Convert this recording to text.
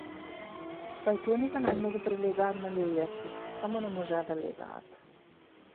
Пајтоните најмногу прилегаа на лилјаци, само не можеа да летаат.